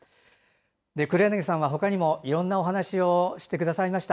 黒柳さんはほかにもいろんなお話をしてくださいました。